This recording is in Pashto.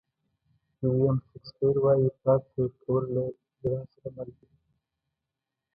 ویلیام شکسپیر وایي پلار ته ورکول له ژړا سره مل وي.